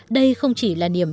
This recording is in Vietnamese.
đây không chỉ là niềm vui